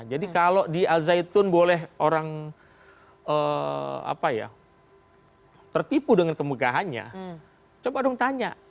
jadi kalau di al zaitun boleh orang apa ya tertipu dengan kemegahannya coba dong tanya